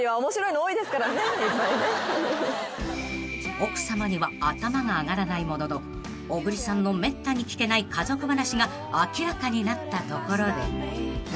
［奥さまには頭が上がらないものの小栗さんのめったに聞けない家族話が明らかになったところで］